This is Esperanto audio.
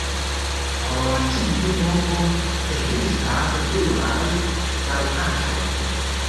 Por tiu movo ekzistas pluraj variantoj.